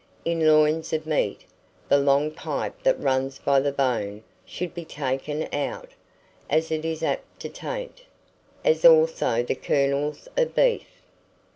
In loins of meat, the long pipe that runs by the bone should be taken out, as it is apt to taint; as also the kernels of beef.